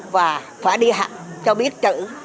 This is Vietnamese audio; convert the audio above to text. và phải đi hạng cho biết chữ